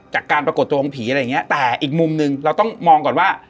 จากการปรากฏตัวของผีอะไรอย่างเงี้ยแต่อีกมุมหนึ่งเราต้องมองก่อนว่า